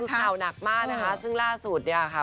คือข่าวหนักมากนะคะซึ่งล่าสุดเนี่ยค่ะ